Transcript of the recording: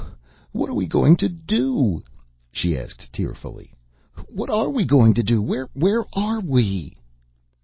"Oh, what are we going to do?" she asked tearfully. "What are we going to do? Where are we?"